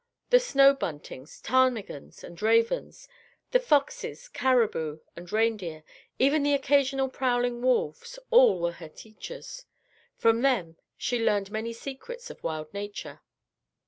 The snow buntings, ptarmigans and ravens; the foxes, caribou and reindeer; even the occasional prowling wolves, all were her teachers. From them she learned many secrets of wild nature.